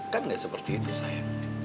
kan gak seperti itu sayang